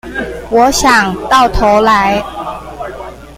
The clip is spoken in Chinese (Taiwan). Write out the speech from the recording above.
我想，到頭來